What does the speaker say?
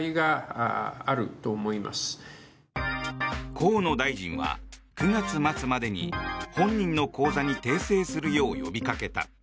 河野大臣は９月末までに本人の口座に訂正するよう呼びかけた。